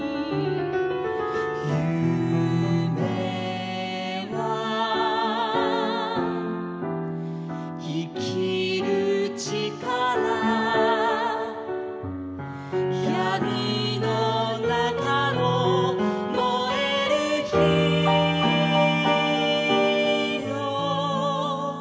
「ゆめはいきるちから」「やみのなかももえるひよ」